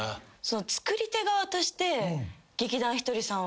作り手側として劇団ひとりさん